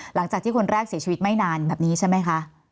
หลังจากที่คนแรกเสียชีวิตไม่นานแบบนี้ใช่ไหมคะ